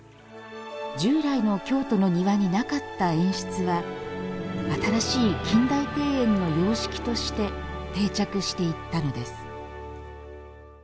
従来の京都の庭になかった演出は新しい近代庭園の様式として定着していったのです。